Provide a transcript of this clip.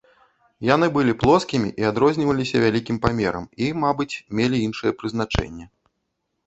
Яны былі плоскімі і адрозніваліся вялікім памерам і, мабыць, мелі іншае прызначэнне.